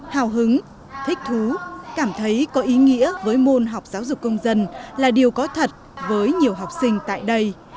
hào hứng thích thú cảm thấy có ý nghĩa với môn học giáo dục công dân là điều có thật với nhiều học sinh tại đây